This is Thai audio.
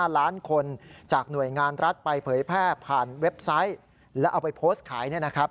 ๕ล้านคนจากหน่วยงานรัฐไปเผยแพร่ผ่านเว็บไซต์แล้วเอาไปโพสต์ขายเนี่ยนะครับ